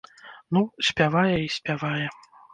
Ну, спявае і спявае.